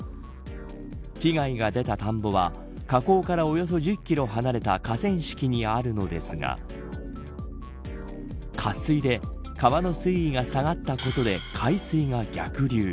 被害が出た田んぼは河口からおよそ１０キロ離れた河川敷にあるのですが渇水で川の水位が下がったことで海水が逆流。